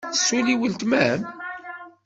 Tessulli weltma-m?